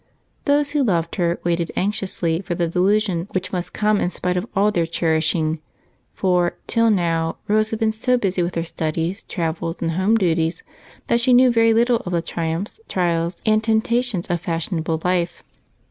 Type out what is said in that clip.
Those who loved her waited anxiously for the disillusion which must come in spite of all their cherishing, for till now Rose had been so busy with her studies, travels, and home duties that she knew very little of the triumphs, trials, and temptations of fashionable life.